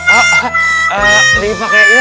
ah eh eh ini pakai iya